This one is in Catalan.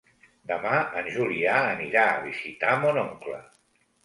Demà en Julià anirà a visitar mon oncle.